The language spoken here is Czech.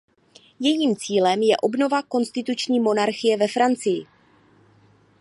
Jejím cílem je obnova konstituční monarchie ve Francii.